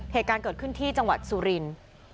เหตุการณ์เกิดขึ้นที่จังหวัดสุรินทร์